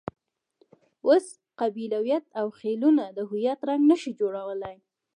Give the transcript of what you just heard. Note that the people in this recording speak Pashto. اوس قبیلویت او خېلونه د هویت رنګ نه شي جوړولای.